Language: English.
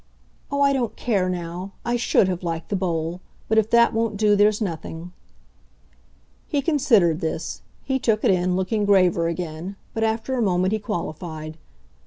"Oh, I don't care now! I SHOULD have liked the Bowl. But if that won't do there's nothing." He considered this; he took it in, looking graver again; but after a moment he qualified.